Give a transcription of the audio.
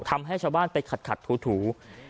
ทำให้ชาวบ้านไปขัดถู